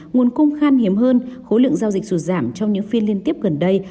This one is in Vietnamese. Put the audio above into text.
nguồn cung khan hiếm hơn khối lượng giao dịch sụt giảm trong những phiên liên tiếp gần đây